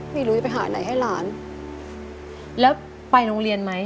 ไม่รู้จะไปหาไหนให้หลานแล้วไปโรงเรียนไหม